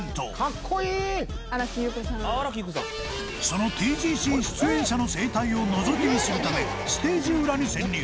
その ＴＧＣ 出演者の生態をのぞき見するためステージ裏に潜入